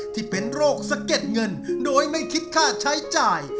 ที่เป็นโรคสะเก็ดเงินโดยไม่คิดค่าใช้จ่าย